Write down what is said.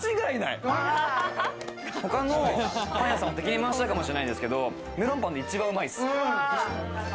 他のパン屋さんを敵に回しちゃうかもしれないですけど、メロンパンで一番うまいです。